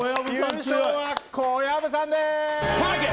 優勝は小籔さんです！